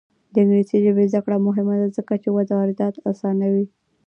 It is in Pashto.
د انګلیسي ژبې زده کړه مهمه ده ځکه چې واردات اسانوي.